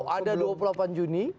ada dua puluh delapan juni